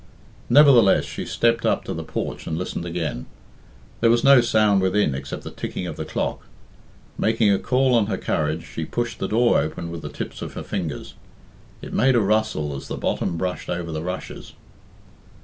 Nevertheless she stepped up to the porch and listened again. There was no sound within except the ticking of the clock. Making a call on her courage, she pushed the door open with the tips of her fingers. It made a rustle as the bottom brushed over the rushes.